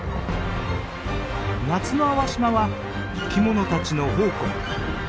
夏の粟島は生き物たちの宝庫！